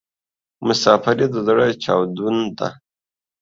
مسافري د ﺯړه چاودون ده